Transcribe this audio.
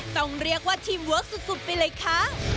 ต้องเรียกว่าชิมเวิร์คสุดไปเลยค่ะ